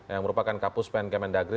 yang merupakan kapus pen kemendagri